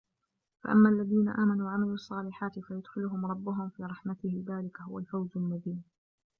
فأما الذين آمنوا وعملوا الصالحات فيدخلهم ربهم في رحمته ذلك هو الفوز المبين